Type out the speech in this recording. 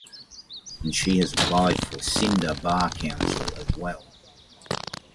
And she has applied for Sindh Bar Council as well.